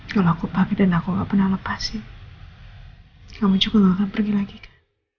kalau aku pakai dan aku gak pernah lepasin kamu juga nggak akan pergi lagi kak